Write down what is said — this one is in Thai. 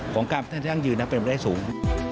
ของการพันธุ์ที่ต้องยืนเป็นวิทยาลัยสูง